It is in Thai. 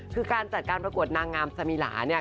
คือการจัดการประกวดนางงามสมิลาเนี่ย